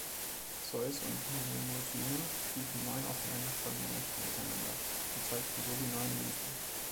Zeus und Mnemosyne schliefen neun aufeinanderfolgende Nächte miteinander und zeugten so die neun Musen.